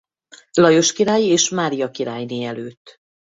Lajos király és Mária királyné előtt.